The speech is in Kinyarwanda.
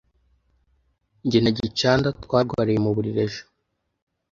Jye na gicanda twarwariye mu buriri ejo.